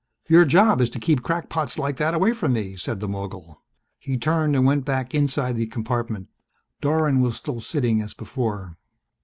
"Your job is to keep crackpots like that away from me," said the mogul. He turned and went back inside the compartment. Dorwin was still sitting as before.